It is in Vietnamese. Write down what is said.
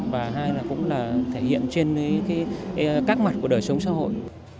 và hai là cũng là thể hiện trên các mặt của đời sống xã hội